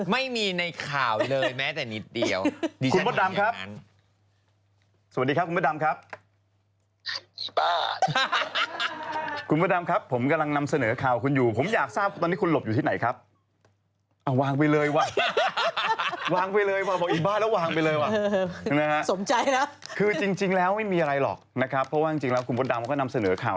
ที่ชาวนานเนี่ยกำลังอุ้มแล้วของกดคนอื่นเขา